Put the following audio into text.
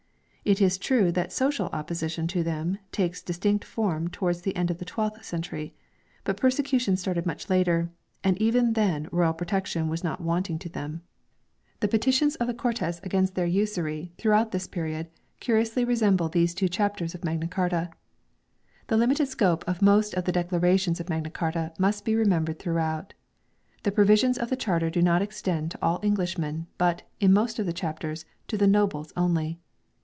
It is true that social opposition to them takes distinct form towards the end of the twelfth century ; but persecution started much later, and even then royal protection was not wanting to them. 1 The petitions of the Cortes against 1 See my " Hist, de Esp." i., paragraphs 279, 3i i, 3 2 5 443, 467, 479, 490. SPANISH MEDIEVAL JURISPRUDENCE 237 usury, throughout this period, curiously resemble these two chapters of Magna Carta. The limited social scope of most of the declarations of Magna Carta must be remembered throughout. The provisions of the Charter do not extend to all Englishmen, but, in most of the chapters, to the nobles only.